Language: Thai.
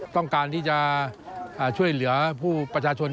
ต้องการที่จะช่วยเหลือผู้ประชาชน